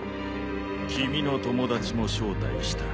君の友達も招待した。